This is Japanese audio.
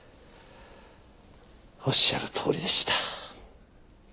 おっしゃるとおりでした。